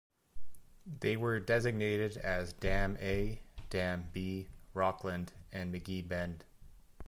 They were designated as Dam A, Dam B, Rockland, and McGee Bend.